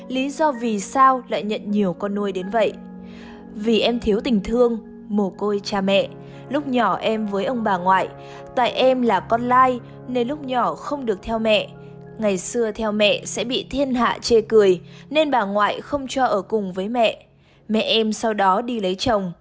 lý do vì sao lại nhận nhiều con nuôi đến vậy